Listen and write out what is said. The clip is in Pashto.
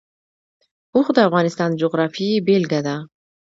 اوښ د افغانستان د جغرافیې بېلګه ده.